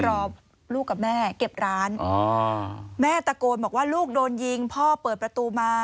รอลูกกับแม่เก็บร้านแม่ตะโกนบอกว่าลูกโดนยิงพ่อเปิดประตูมา